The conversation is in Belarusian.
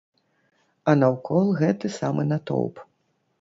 А наўкол гэты самы натоўп.